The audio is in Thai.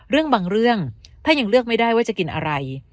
เรื่องบางเรื่องถ้ายังเลือกไม่ได้ว่าจะกินอะไร